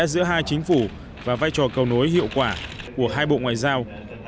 giữa hai chính phủ và vai trò cầu nối hiệu quả của hai bộ ngoại giao